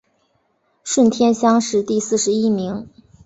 顺天乡试第四十一名。